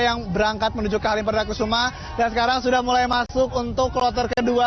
yang berangkat menuju halim perdana kusuma dan sekarang sudah mulai masuk untuk kloter kedua